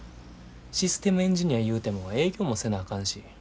システムエンジニアいうても営業もせなあかんし。